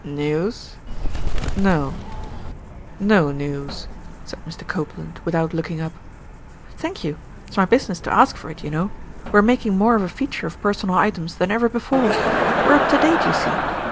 "News? No. No news," said Mr. Copeland, without looking up. "Thank you. It's my business to ask for it, you know. We're making more of a feature of personal items than ever before. We're up to date, you see.